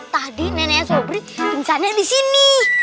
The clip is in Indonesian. tadi neneknya sobri pingsannya di sini